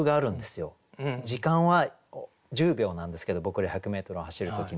時間は１０秒なんですけど僕ら１００メートル走る時に。